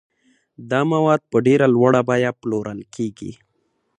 دا مواد په ډېره لوړه بیه پلورل کیږي.